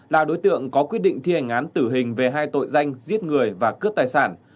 là đối tượng có quyết định thi hành án tử hình về hai tội danh giết người và cướp tài sản